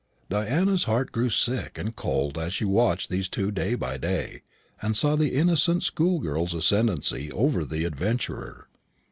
Diana's heart grew sick and cold as she watched these two day by day, and saw the innocent school girl's ascendancy over the adventurer.